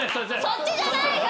そっちじゃないよ！